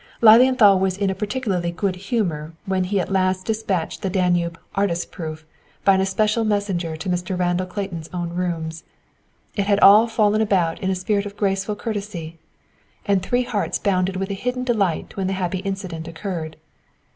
Lilienthal was in a particularly good humor when he at last dispatched the Danube "artist proof" by an especial messenger to Mr. Randall Clayton's own rooms. It had all fallen about in a spirit of graceful courtesy. And three hearts bounded with a hidden delight when the happy incident occurred.